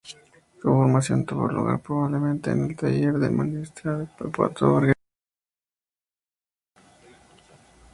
Su formación tuvo lugar probablemente en el taller del manierista Ippolito Borghese.